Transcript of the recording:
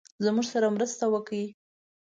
زموږ سره مرسته وکړی.